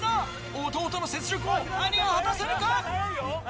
弟の雪辱を兄は果たせるか？